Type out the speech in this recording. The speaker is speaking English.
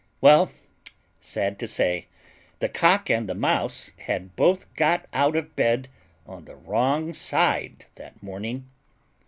Well, sad to say, the Cock and the Mouse had both got out of bed on the wrong side that morning.